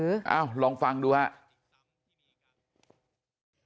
เอ้าลองฟังดูฮะ